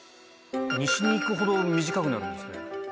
西に行くほど短くなるんですね。